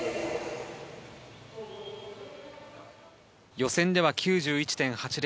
予選では９１．８０。